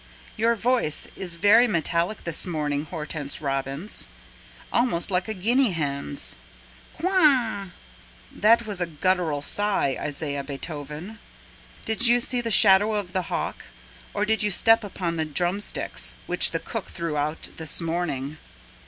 Your voice is very metallic this morning, Hortense Robbins— Almost like a guinea hen's! Quah! That was a guttural sigh, Isaiah Beethoven; Did you see the shadow of the hawk, Or did you step upon the drumsticks Which the cook threw out this morning?